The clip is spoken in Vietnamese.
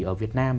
ở việt nam